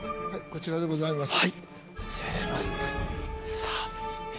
こちらでございます。